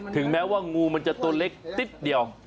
ถึงแม้ว่างูมันจะตัวเล็กนิดเดียว